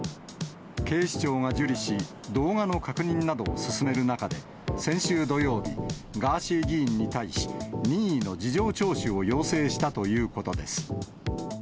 警視庁が受理し、動画の確認などを進める中で、先週土曜日、ガーシー議員に対し、任意の事情聴取を要請したということです。